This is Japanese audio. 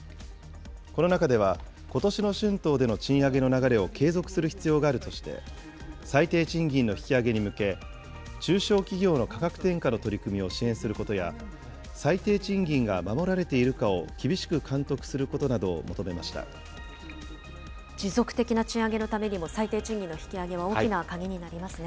この中では、ことしの春闘での賃上げの流れを継続する必要があるとして、最低賃金の引き上げに向け、中小企業の価格転嫁の取り組みを支援することや、最低賃金が守られているかを厳しく監督することなどを求持続的な賃上げのためにも、最低賃金の引き上げは大きな鍵になりますね。